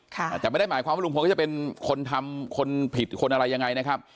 แต่ไม่ได้หมายความว่าลุงพลก็จะเป็นคนทำคนผิดคนอะไรยังไงนะครับ